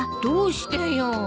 どうしてよ。